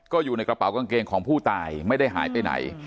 ก็อยู่ในกระเป๋ากางเกงของผู้ตายไม่ได้หายไปไหน